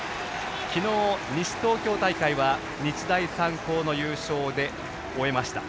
昨日、西東京大会は日大三高の優勝で終えました。